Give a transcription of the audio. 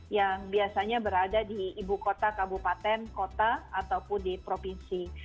yang biasanya berada di ibu kota kabupaten kota ataupun di provinsi